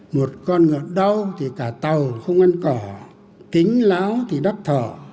một con ngọt đau thì cả tàu không ăn cỏ kính lão thì đắp thỏ